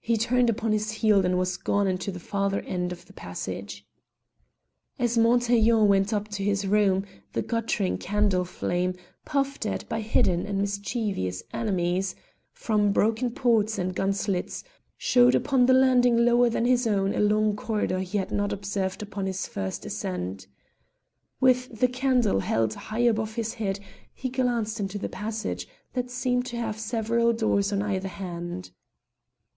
He turned upon his heel and was gone into the farther end of the passage. As Montaiglon went up to his room, the guttering candle flame, puffed at by hidden and mischievous enemies from broken ports and gun slits, showed upon the landing lower than his own a long corridor he had not observed upon his first ascent. With the candle held high above his head he glanced into the passage, that seemed to have several doors on either hand.